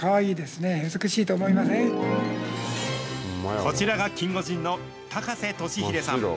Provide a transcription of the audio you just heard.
こちらがキンゴジンの高瀬俊英さん。